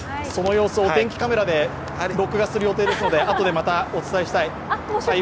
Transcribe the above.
その様子をお天気カメラで録画する予定ですので後でまたお伝えしたい。